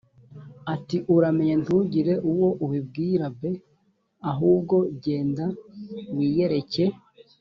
ati uramenye ntugire uwo ubibwira b ahubwo genda wiyereke